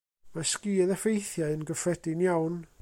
Mae sgil-effeithiau yn gyffredin iawn.